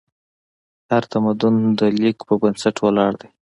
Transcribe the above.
هر تمدن د لیک په بنسټ ولاړ دی.